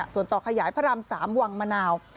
ส่วนต่อขยายพระราม๓วังมะนาว